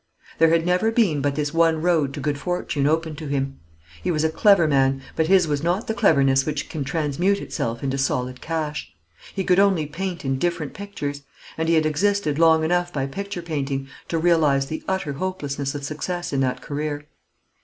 There had never been but this one road to good fortune open to him. He was a clever man, but his was not the cleverness which can transmute itself into solid cash. He could only paint indifferent pictures; and he had existed long enough by picture painting to realise the utter hopelessness of success in that career.